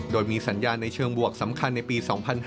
โดยมีสัญญาณในเชิงบวกสำคัญในปี๒๕๕๙